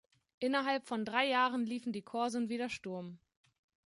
Innerhalb von drei Jahren liefen die Korsen wieder Sturm.